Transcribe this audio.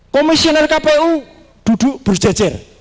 komisioner kpu duduk berjejer